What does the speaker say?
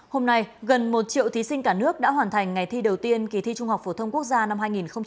hôm nay gần một triệu thí sinh cả nước đã hoàn thành ngày thi đầu tiên kỳ thi trung học phổ thông quốc gia năm hai nghìn một mươi chín